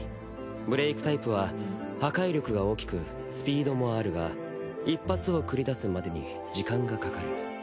ブレイクタイプは破壊力が大きくスピードもあるが一発を繰り出すまでに時間がかかる。